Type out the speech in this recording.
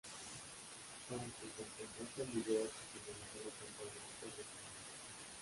Aunque con contrato en vigor, al finalizar la temporada fue rescindido.